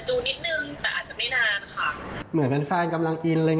ให้ทุกคนเข้าใจจริงว่าเป็นพอสถานการณ์โควิดจริง